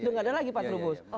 dan ada lagi pak trugus